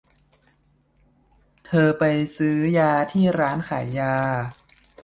เธอไปซื้อยาที่ร้านขายยา